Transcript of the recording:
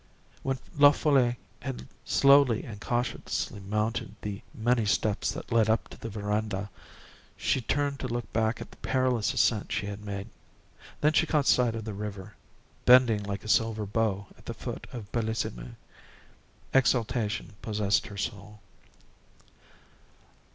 When La Folle had slowly and cautiously mounted the many steps that led up to the veranda, she turned to look back at the perilous ascent she had made. Then she caught sight of the river, bending like a silver bow at the foot of Bellissime. Exultation possessed her soul.